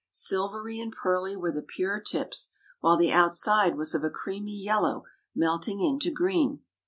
Silvery and pearly were the pure tips; while the outside was of a creamy yellow melting into green.